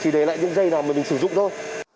chỉ để lại những dây nào mình sử dụng thôi